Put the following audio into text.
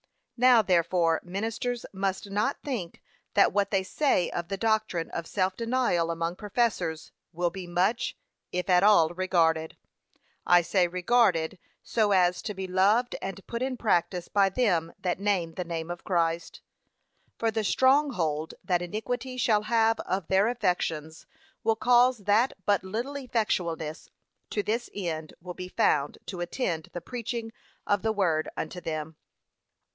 Now therefore ministers must not think that what they say of the doctrine of self denial among professors, will be much, if at all regarded. I say, regarded, so as to be loved and put in practice by them that name the name of Christ. For the strong hold that iniquity shall have of their affections will cause that but little effectualness to this end will be found to attend the preaching of the Word unto them.